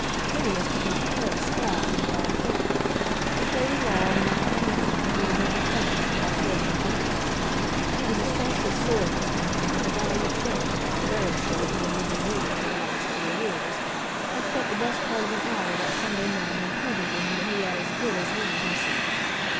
Phineas did not care a straw for the hall porter. If Lady Laura were not kind to him, he would never trouble that hall porter again. He was especially sore at this moment because a valued friend, the barrister with whom he had been reading for the last three years, had spent the best part of an hour that Sunday morning in proving to him that he had as good as ruined himself.